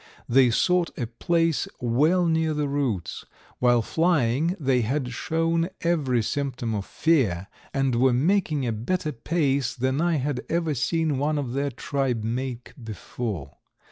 They sought a place well near the roots. While flying they had shown every symptom of fear and were making a better pace than I had ever seen one of their tribe make before.